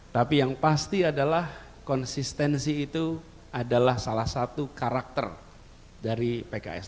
tapi yang pasti adalah konsistensi itu adalah salah satu karakter dari pks